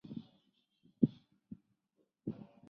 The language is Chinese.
玛丽亚普法尔是奥地利萨尔茨堡州隆高县的一个市镇。